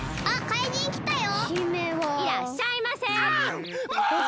いらっしゃいませ。